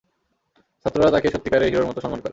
ছাত্ররা তাকে সত্যিকারের হিরোর মতো সম্মান করে।